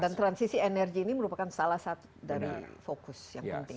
dan transisi energi ini merupakan salah satu dari fokus yang penting